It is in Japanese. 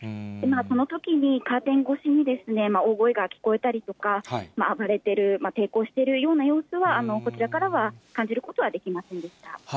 そのときにカーテン越しに大声が聞こえたりとか、暴れている、抵抗しているような様子は、こちらからは感じることはできませんでした。